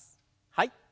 はい。